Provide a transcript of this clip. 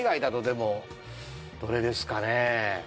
どれですかね。